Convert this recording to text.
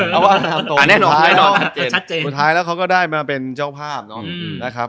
เพราะว่าพอท้ายแล้วเค้าก็ได้มาเป็นเจ้าภาพนะครับ